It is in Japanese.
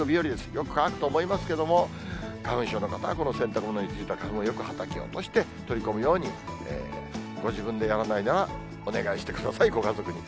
よく乾くと思いますけども、花粉症の方はこの洗濯物についた花粉をよくはたき落として、取り込むように、ご自分でやらないなら、お願いしてください、ご家族に。